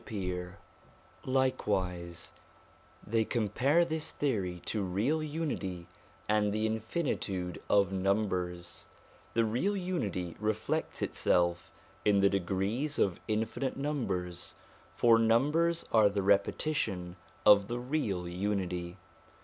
327 328 SOME ANSWERED QUESTIONS Likewise, they compare this theory to real unity and the infinitude of numbers ; the real unity reflects itself in the degrees of infinite numbers, for numbers are the repetition of the real unity.